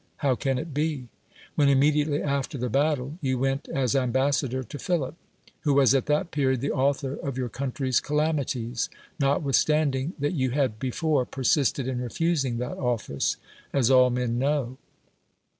How can it be — when inimcdiately after the battle you went as ambassador to Philip, who was at that period the author of your country's calamities, notwithstanding that you had before persisted in refusing that office, as all men know